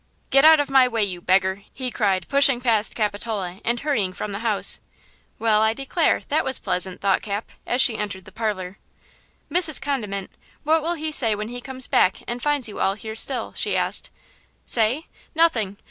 "Get out of my way, you beggar!" he cried, pushing past Capitola and hurrying from the house. "Well, I declare, that was pleasant!" thought Cap, as she entered the parlor. "Mrs. Condiment, what will he say when he comes back and finds you all here still?" she asked. "Say? Nothing.